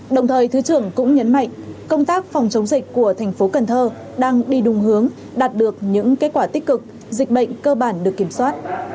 đồng thời thứ trưởng cũng nhấn mạnh công tác phòng chống dịch của thành phố cần thơ đang đi đúng hướng đạt được những kết quả tích cực dịch bệnh cơ bản được kiểm soát